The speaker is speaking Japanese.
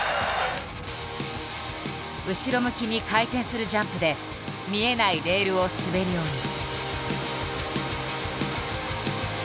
後ろ向きに回転するジャンプで見えないレールを滑り降りる。